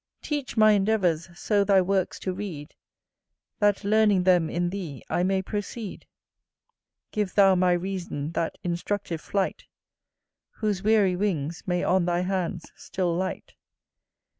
Teach my endeavours so thy works to read, That learning them in thee I may proceed. Give thou my reason that instructive flight, Whose weary wings may on thy hands still light.